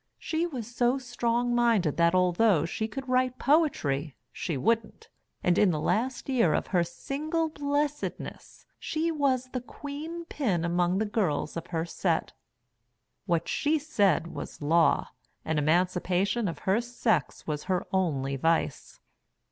She was so strong minded that although she could write poetry she wouldn't, and in the last year of her single blessedness she was the Queen pin among the girls of her set. What she said was law, and emancipation of her sex was her only vice.